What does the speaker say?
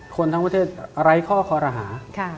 คนทั้งประเทศไร้ข้อคอรหา